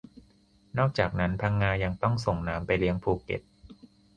นอกจากนั้น พังงา ยังต้องส่งน้ำไปเลี้ยงภูเก็ต